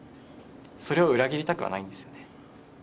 それを裏切りたくはないんですよね。